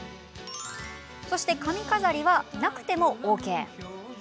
髪飾りは、なくてもＯＫ。